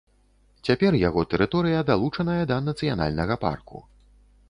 Цяпер яго тэрыторыя далучаная да нацыянальнага парку.